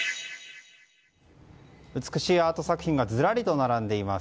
美しいアート作品がずらりと並んでいます。